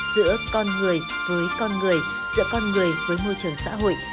giữa con người với con người giữa con người với môi trường xã hội